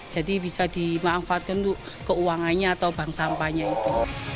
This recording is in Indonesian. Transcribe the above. jadi bisa dimanfaatkan untuk keuangannya atau bank sampahnya itu